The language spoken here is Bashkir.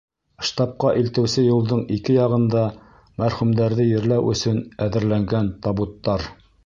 Штабҡа илтеүсе юлдың ике яғында — мәрхүмдәрҙе ерләү өсөн әҙерләнгән табуттар.